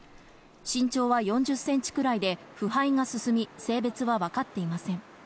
身長は４０センチくらいで、腐敗が進み性別は分かっていません。